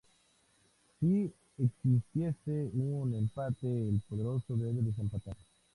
Si existiese un empate, el poderoso debe desempatar.